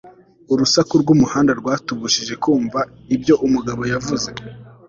urusaku rwumuhanda rwatubujije kumva ibyo umugabo yavuze